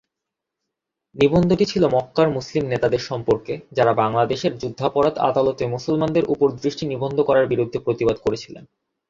নিবন্ধটি ছিল মক্কার মুসলিম নেতাদের সম্পর্কে যারা বাংলাদেশের যুদ্ধাপরাধ আদালতে মুসলমানদের উপর দৃষ্টি নিবদ্ধ করার বিরুদ্ধে প্রতিবাদ করেছিলেন।